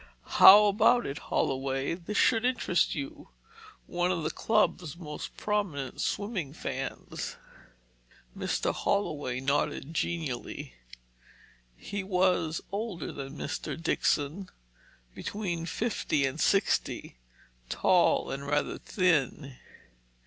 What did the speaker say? "How about it, Holloway? This should interest you, one of the club's most prominent swimming fans!" Mr. Holloway nodded genially. He was older than Mr. Dixon, between fifty and sixty, tall and rather thin.